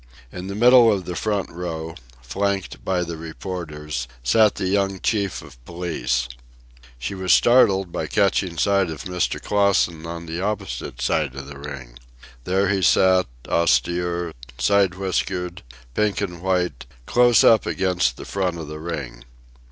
In the middle of the front row, flanked by the reporters, sat the young chief of police. She was startled by catching sight of Mr. Clausen on the opposite side of the ring. There he sat, austere, side whiskered, pink and white, close up against the front of the ring.